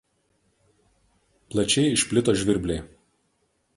Plačiai išplito žvirbliai.